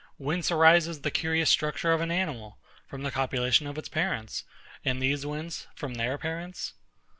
Whence arises the curious structure of an animal? From the copulation of its parents. And these whence? From their parents?